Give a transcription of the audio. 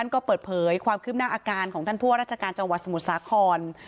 ก็เปิดเผยความคืบหน้าอาการของท่านผู้ว่าราชการจังหวัดสมุทรสาคร